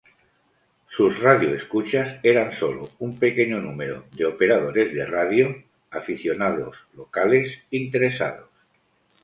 Sus radioescuchas eran sólo un pequeño número de operadores de radio aficionados locales interesados.